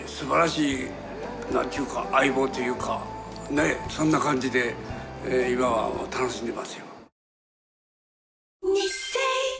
ねえそんな感じで今は楽しんでますよ。